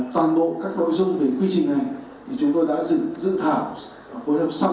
toàn bộ các nội dung về quy trình này thì chúng tôi đã dựng dự thảo và phối hợp xong